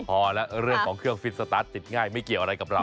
พอแล้วเรื่องของเครื่องฟิตสตาร์ทติดง่ายไม่เกี่ยวอะไรกับเรา